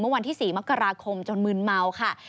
วันที่๔มกราคมจนมืนเมาค่ะ